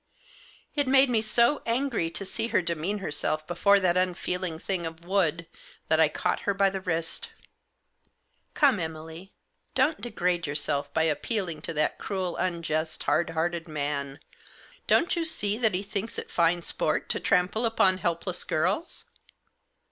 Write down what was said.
It made me so angry to see her demean herself before that unfeeling thing of wood, that I caught her by the wrist. " Come, Emily ! don't degrade yourself by appealing to that cruel, unjust, hard hearted man. Don't you see that he thinks it fine sport to trample upon helpless girls?"